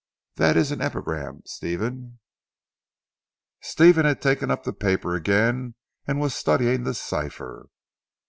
That is an epigram Stephen." Stephen had taken up the paper again and was studying the cipher.